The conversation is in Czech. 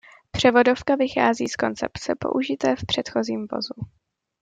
Převodovka vychází z koncepce použité v předchozím vozu.